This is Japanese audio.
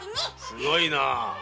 すごいな。